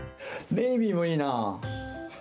ネイビーもいいなぁ。